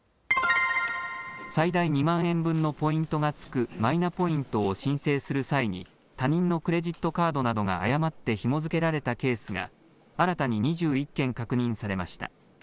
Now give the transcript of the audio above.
最大２万円分のポイントがつくマイナポイントを申請する際に他人のクレジットカードなどが誤ってひも付けられたケースが新たに２１件確認されました。